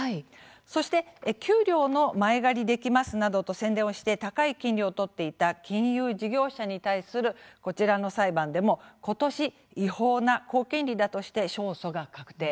そして、給料の前借りできますなどと宣伝をして高い金利を取っていた金融事業者に対する裁判でもことし違法な高金利だとして勝訴が確定。